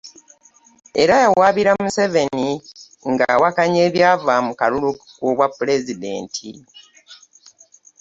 Era yawaabira Museveni ng'awakanya ebyava mu kalulu k'Obwapulezidenti